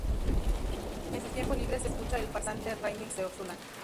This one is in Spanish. En sus tiempos libres escucha El Farsante Remix de Ozuna